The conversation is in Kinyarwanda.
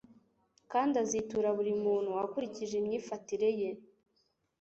kandi azitura buri muntu akurikije imyifatire ye